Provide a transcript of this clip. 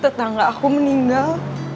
tetangga aku meninggal